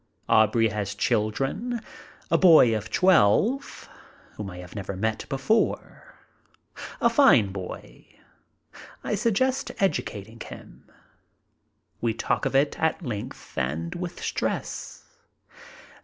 Aubrey has children, a boy of twelve, whom I have never met before. A fine boy. I suggest educating him. We talk of it at length and with stress.